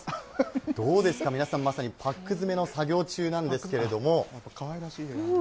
どうですか、皆さん、まさにパック詰めの作業中なんですけれども。